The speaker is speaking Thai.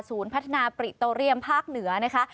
พัฒนาปริโตเรียมภาคเหนือนะคะ